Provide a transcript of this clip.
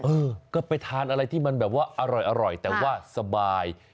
เออก็ไปทานอะไรที่มันแบบว่าอร่อยแต่ว่าสบาย